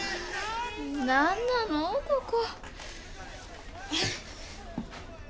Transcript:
何なのここ。